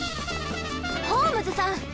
ホームズさん！